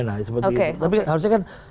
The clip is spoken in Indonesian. nah seperti itu tapi harusnya kan